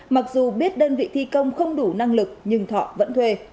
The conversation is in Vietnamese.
mặc dù biết đơn vị thi công không đủ năng lực nhưng thọ vẫn thuê